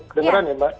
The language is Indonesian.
kedegaran ya mbak